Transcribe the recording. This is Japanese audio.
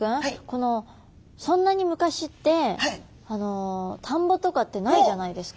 このそんなに昔って田んぼとかってないじゃないですか。